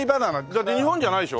だって日本じゃないでしょ？